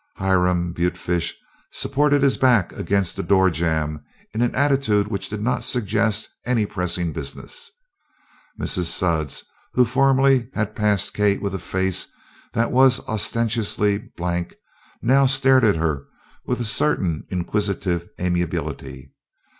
Hiram Butefish supported his back against the door jamb in an attitude which did not suggest any pressing business. Mrs. Sudds, who formerly had passed Kate with a face that was ostentatiously blank, now stared at her with a certain inquisitive amiability.